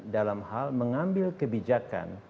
dalam hal mengambil kebijakan